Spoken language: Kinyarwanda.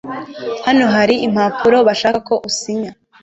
hano hari impapuro bashaka ko usinya